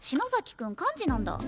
くん幹事なんだ。